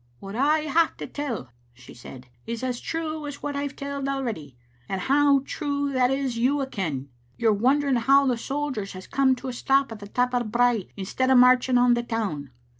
"What I have to tell," she said, "is as true as what I've telled already, and how true that is you a' ken. You're wondering how the sojers has come to a stop at the tap o' the brae instead o' marching on the town.